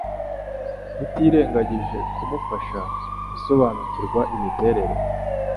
tutirengagije kumufasha gusobanukirwa imiterere